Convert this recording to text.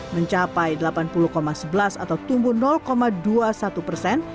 mencapai delapan puluh sebelas atau tumbuh dua puluh satu persen